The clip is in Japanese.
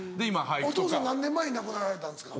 お父さん何年前に亡くなられたんですか？